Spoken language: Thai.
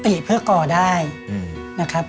ติเพื่อก่อได้นะครับ